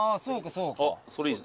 それいい。